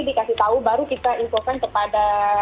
dikasih tahu baru kita infokan kepada